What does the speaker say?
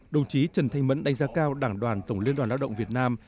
đồng chí trần thanh mẫn đánh giá cao đảng đoàn tổng liên đoàn lao động việt nam